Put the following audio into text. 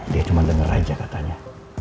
dia cuma dengar aja katanya